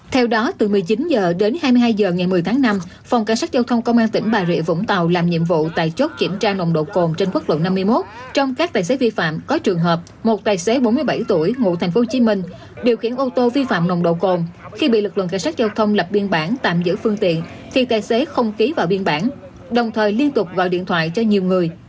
theo đó từ một mươi chín h đến hai mươi hai h ngày một mươi tháng năm phòng cảnh sát giao thông công an tỉnh bà rịa vũng tàu làm nhiệm vụ tài chốt kiểm tra nồng độ cồn trên quốc lộ năm mươi một trong các tài xế vi phạm có trường hợp một tài xế bốn mươi bảy tuổi ngụ thành phố hồ chí minh điều khiển ô tô vi phạm nồng độ cồn khi bị lực lượng cảnh sát giao thông lập biên bản tạm giữ phương tiện khi tài xế không ký vào biên bản đồng thời liên tục gọi điện thoại cho nhiều người